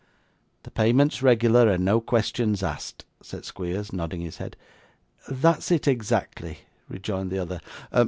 'The payments regular, and no questions asked,' said Squeers, nodding his head. 'That's it, exactly,' rejoined the other.